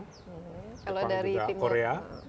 jepang juga korea